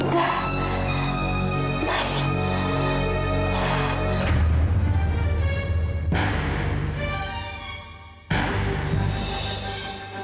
kayak enggak bisa akibat itu